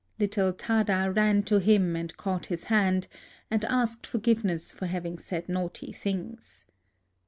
Little Tada ran to 26 A LIVING GOD him, and caught his hand, and asked forgive ness for having said naughty things.